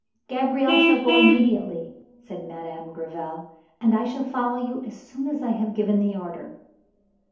"Gabriel shall go immediately," said Madame Gréville, "and I shall follow you as soon as I have given the order."